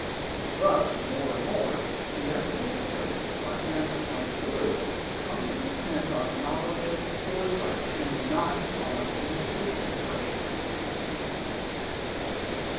Thus, more and more, the estimates placed by men on goods come to depend on knowledge and foresight, and not on immediate impressions and feelings.